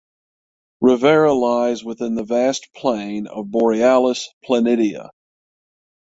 Rivera lies within the vast plain of Borealis Planitia.